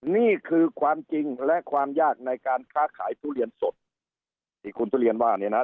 นี่คือความจริงและความยากในการค้าขายทุเรียนสดที่คุณทุเรียนว่าเนี่ยนะ